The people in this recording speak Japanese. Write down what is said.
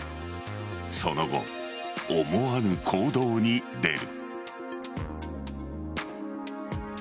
その後、思わぬ行動に出る。